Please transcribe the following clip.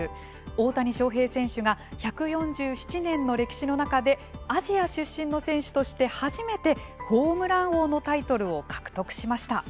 大谷翔平選手が１４７年の歴史の中でアジア出身の選手として初めてホームラン王のタイトルを獲得しました。